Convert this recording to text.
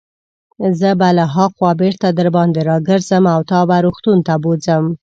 زه به له هاخوا بیرته درباندې راګرځم او تا به روغتون ته بوزم.